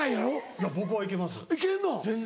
いや僕は行けます全然。